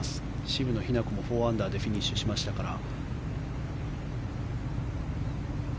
渋野日向子も４アンダーでフィニッシュしましたから。